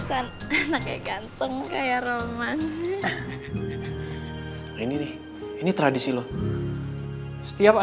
saat gue di sel sendirian